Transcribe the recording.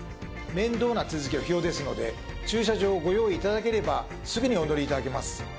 面倒な手続きは不要ですので駐車場をご用意頂ければすぐにお乗り頂けます。